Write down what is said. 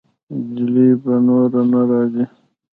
جلۍ به نوره نه راځي.